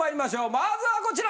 まずはこちら！